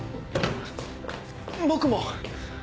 僕も。